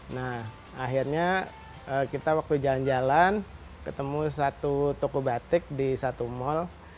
nah akhirnya kita waktu jalan jalan ketemu satu toko batik di satu mal